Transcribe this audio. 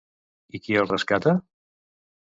I qui el rescata?